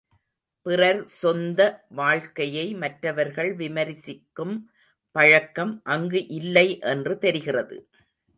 பிறர் சொந்த வாழ்க்கையை மற்றவர்கள் விமரிசிக்கும் பழக்கம் அங்கு இல்லை என்று தெரிகிறது.